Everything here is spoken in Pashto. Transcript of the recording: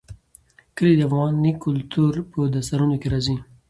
کلي د افغان کلتور په داستانونو کې راځي.